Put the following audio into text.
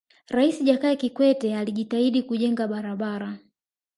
raisi jakaya kikwete alijitahidi kujenga barabara